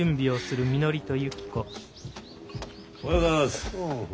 おはようございます。